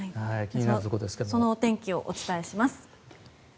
そのお天気をお伝えします。